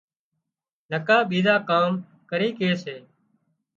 نڪا ٻيزان ڪام ڪري ڪي سي